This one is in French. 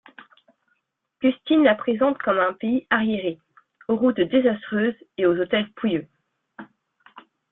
Custine la présente comme un pays arriéré, aux routes désastreuses et aux hôtels pouilleux.